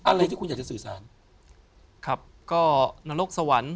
อะไรที่คุณอยากจะสื่อสาร